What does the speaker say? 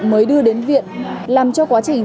mới đưa đến viện làm cho quá trình